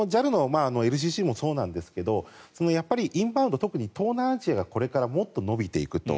ＪＡＬのＬＣＣもそうなんですがインバウンド、特に東南アジアがこれからもっと伸びていくと。